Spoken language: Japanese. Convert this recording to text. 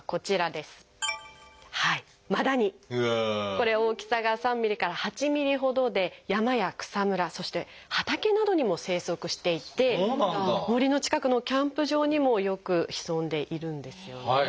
これ大きさが３ミリから８ミリほどで山や草むらそして畑などにも生息していて森の近くのキャンプ場にもよく潜んでいるんですよね。